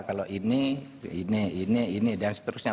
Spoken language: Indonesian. kalau ini ini ini dan seterusnya